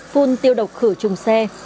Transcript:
phun tiêu độc khử trùng xe